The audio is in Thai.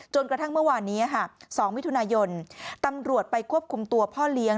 กระทั่งเมื่อวานนี้๒มิถุนายนตำรวจไปควบคุมตัวพ่อเลี้ยง